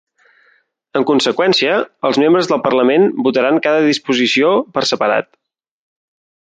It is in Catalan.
En conseqüència, els membres del parlament votaran cada disposició per separat.